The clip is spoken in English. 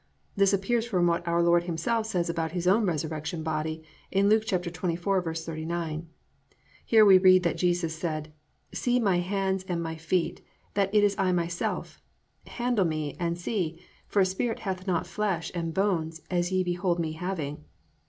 "_ This appears from what our Lord Himself says about His own resurrection body in Luke 24:39. Here we read that Jesus said: +"See my hands and my feet, that it is I myself: handle me, and see; for a spirit hath not flesh and bones as ye behold me having."